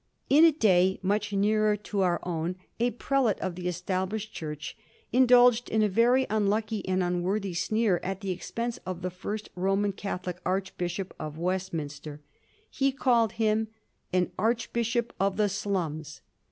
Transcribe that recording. In a day much nearer to our own a prelate of the Established Church indulged in a very unliicky and unworthy sneer at the expense of the first Roman Catholic Archbishop of Westminster. He called him an "Archbishop of the slums."